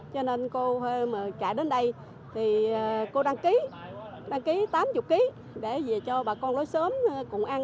cho nên cô chạy đến đây cô đăng ký tám mươi kg để cho bà con nói sớm cùng ăn